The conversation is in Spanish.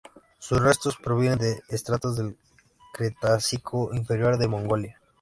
Sus restos provienen de estratos del Cretácico Inferior de Mongolia.